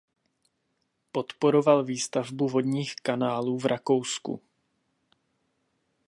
Podporoval výstavbu vodních kanálů v Rakousku.